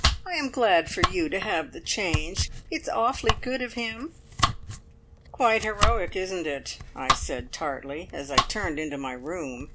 "I am glad for you to have the change. It's awfully good of him." "Quite heroic, isn't it?" I said tartly, as I turned into my room.